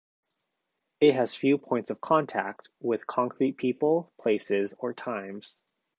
It has few points of contact with concrete people, places, or times.